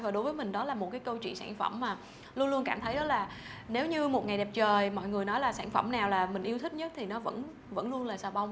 và đối với mình đó là một cái câu chuyện sản phẩm mà luôn luôn cảm thấy đó là nếu như một ngày đẹp trời mọi người nói là sản phẩm nào là mình yêu thích nhất thì nó vẫn luôn là sà bông